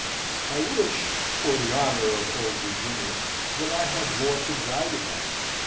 I wish, for the honour of old Virginia, that I had more to brag about.